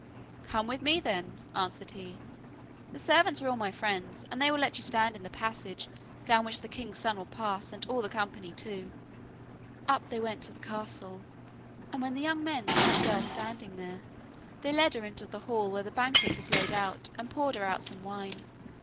'Come with me, then,' answered he; 'the servants are all my friends, and they will let you stand in the passage down which the king's son will pass, and all the company too.' Up they went to the castle, and when the young men saw the girl standing there, they led her into the hall where the banquet was laid out and poured her out some wine.